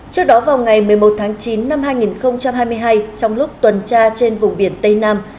trước đó vào ngày một mươi một tháng chín năm hai nghìn hai mươi hai trong lúc tuần tra trên vùng biển tây nam